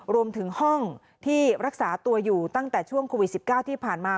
รวมถึงห้องที่รักษาตัวอยู่ตั้งแต่ช่วงโควิด๑๙ที่ผ่านมา